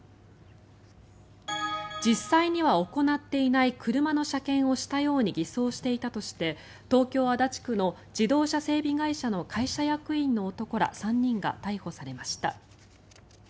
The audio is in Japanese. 実際には行っていない車の車検をしたように偽装していたとして東京・足立区の自動車整備会社の会社役員の男ら３人が逮捕されました。